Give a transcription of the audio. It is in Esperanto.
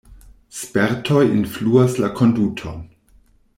Spertoj influas la konduton.